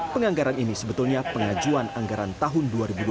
penganggaran ini sebetulnya pengajuan anggaran tahun dua ribu dua puluh